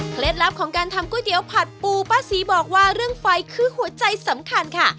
ลับของการทำก๋วยเตี๋ยวผัดปูป้าศรีบอกว่าเรื่องไฟคือหัวใจสำคัญค่ะ